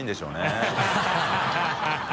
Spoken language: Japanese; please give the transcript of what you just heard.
ハハハ